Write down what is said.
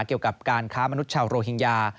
เกี่ยวกับการค้ามนุษย์ชาวโรฮิงญา